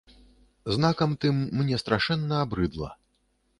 Знакам тым, мне страшэнна абрыдла.